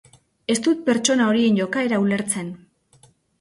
Ez dut pertsona horien jokaera ulertzen.